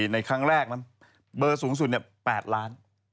ในครั้งแรกนะเบอร์สูงสุดเนี่ย๘ล้าน